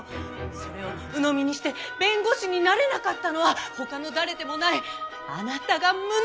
それをうのみにして弁護士になれなかったのは他の誰でもないあなたが無能だったからでしょ！